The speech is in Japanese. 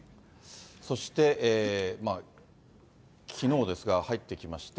そして、きのうですが、入ってきまして。